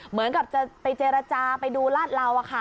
เหมือนกับจะไปเจรจาไปดูลาดเหลา